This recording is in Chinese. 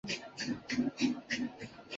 让这些都督府实质上独立于总督。